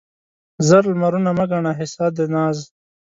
زر لمرونه مه ګڼه حصه د ناز